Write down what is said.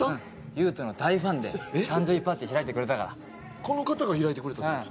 ユウトの大ファンで誕生日パーティー開いてくれたからこの方が開いてくれたってこと？